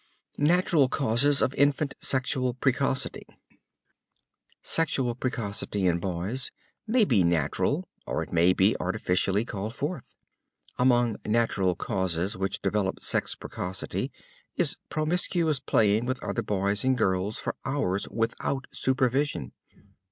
NATURAL CAUSES OF INFANT SEXUAL PRECOCITY Sexual precocity in boys may be natural or it may be artificially called forth. Among natural causes which develop sex precocity is promiscuous playing with other boys and girls for hours without supervision.